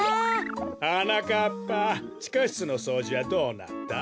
はなかっぱちかしつのそうじはどうなった？